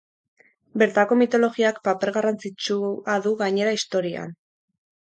Bertako mitologiak paper garrantzitsua du gainera istorioan.